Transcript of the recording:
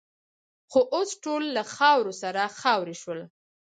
خو اوس ټول له خاورو سره خاوروې شول.